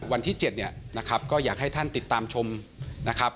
วันที่๗เนี่ยนะครับก็อยากให้ท่านติดตามชมนะครับ